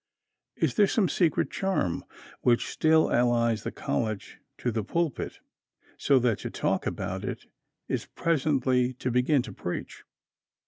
Is there some secret charm which still allies the college to the pulpit, so that to talk about it is presently to begin to preach?